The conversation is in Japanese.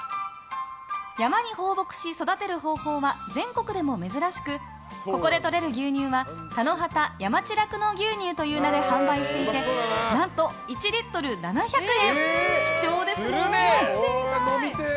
山に放牧し、育てる方法は全国でも珍しくここでとれる牛乳は田野畑村山地酪農牛乳という名前で販売していて何と１リットル７００円。